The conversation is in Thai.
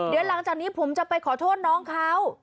เดี๋ยวหลังจากนี้ผมจะไปขอโทษน้องเขา